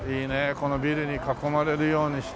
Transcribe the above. このビルに囲まれるようにして。